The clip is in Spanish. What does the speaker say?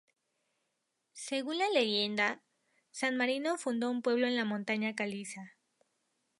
Según la leyenda, San Marino fundó un pueblo en la montaña caliza.